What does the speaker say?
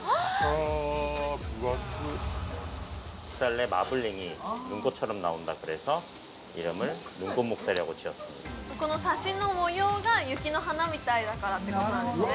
ああ分厚っこのサシの模様が雪の花みたいだからってことなんですね